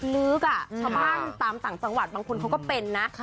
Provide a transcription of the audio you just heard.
เฉพาะตามต่างจังหวัดบางคนเขาก็เป็นนะ